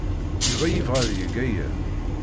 Yuba yebɣa ad yeg aya.